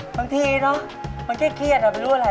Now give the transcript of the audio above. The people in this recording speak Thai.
บางทีมันจะเครียดไปรู้อะไร